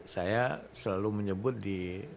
saya selalu menyebut di